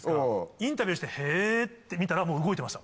インタビューして「へぇ」って見たらもう動いてました